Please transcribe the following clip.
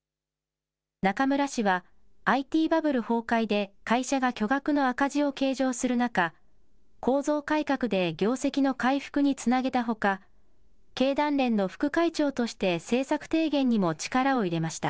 中村氏は、ＩＴバブル崩壊で会社が巨額の赤字を計上する中、構造改革で業績の回復につなげたほか、経団連の副会長として政策提言にも力を入れました。